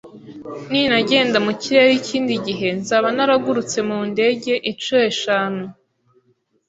Ninagenda mu kirere ikindi gihe, nzaba naragurutse mu ndege inshuro eshanu.